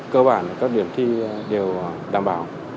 cơ bản là các điểm thi đều đảm bảo